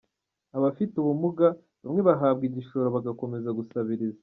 Abafite ubumuga bamwe bahabwa igishoro bagakomeza gusabiriza.